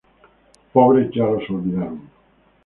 Pobres ya los olvidaron.